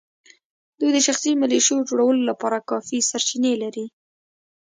دوی د شخصي ملېشو جوړولو لپاره کافي سرچینې لري.